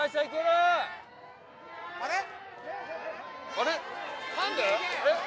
・あれ？